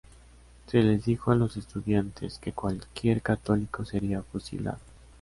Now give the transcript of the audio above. Se les dijo a los estudiantes que cualquier católico sería fusilado.